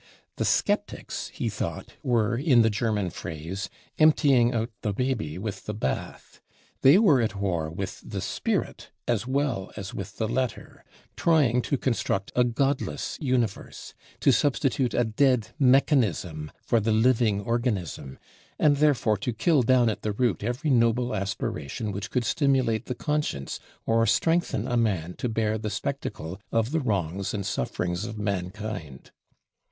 The skeptics, he thought, were, in the German phrase, "emptying out the baby with the bath." They were at war with the spirit as well as with the letter; trying to construct a Godless universe; to substitute a dead mechanism for the living organism; and therefore to kill down at the root every noble aspiration which could stimulate the conscience, or strengthen a man to bear the spectacle of the wrongs and sufferings of mankind.